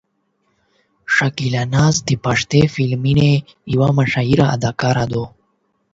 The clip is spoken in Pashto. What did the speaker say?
شکیلا ناز د پښتو فلمونو یوه مشهوره اداکاره ده.